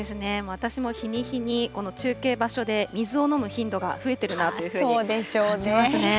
私も日に日にこの中継場所で水を飲む頻度が増えてるなというふうに感じますね。